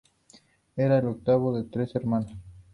Era el octavo de trece hermanos.